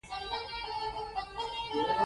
د بادرنګو خوړل د پوستکي لپاره ګټور دی.